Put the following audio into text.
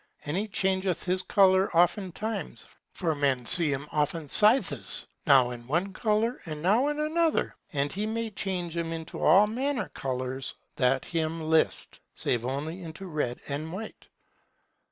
And he changeth his colour often time, for men see him often sithes, now in one colour and now in another colour; and he may change him into all manner colours that him list, save only into red and white.